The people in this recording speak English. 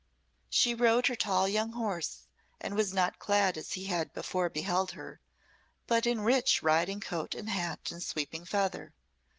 She rode her tall young horse and was not clad as he had before beheld her, but in rich riding coat and hat and sweeping feather.